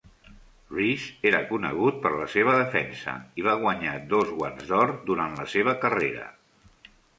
Reese era conegut per la seva defensa, i va guanyar dos Guants d'Or durant la seva carrera.